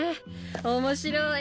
面白い！